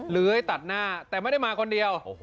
เลื้อยตัดหน้าแต่ไม่ได้มาคนเดียว